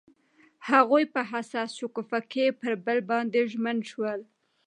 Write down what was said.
هغوی په حساس شګوفه کې پر بل باندې ژمن شول.